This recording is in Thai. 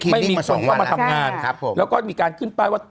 ไม่มีคนเข้ามาทำงานแล้วก็มีการขึ้นป้ายว่า